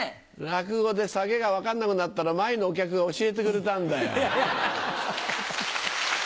落語でサゲが分かんなくなったら前のお客が教えてくれたんだよ。